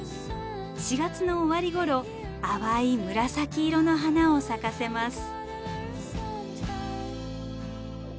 ４月の終わり頃淡い紫色の花を咲かせます。